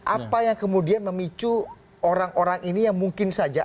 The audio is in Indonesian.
apa yang kemudian memicu orang orang ini yang mungkin saja